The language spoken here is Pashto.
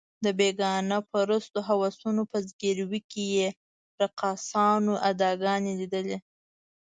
د بېګانه پرستو هوسونو په ځګیروي کې یې رقاصانو اداګانې لیدلې.